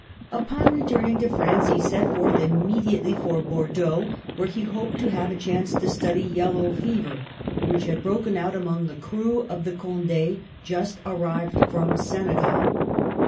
Upon returning to France, he set forth imme diately for Bordeaux, where he hoped to have a chance to study yellow fever, which had broken out among the crew of the Conde, just arrived from Senegal.